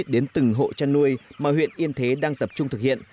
đến từng hộ chăn nuôi mà huyện yên thế đang tập trung thực hiện